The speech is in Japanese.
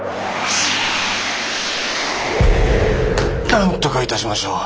なんとかいたしましょう。